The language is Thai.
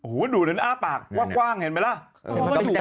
หูว่าหนูเอาอ้ากปากว่างเห็นไหมล่ะ